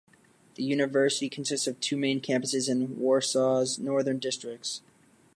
The university consists of two main campuses in Warsaw's northern districts.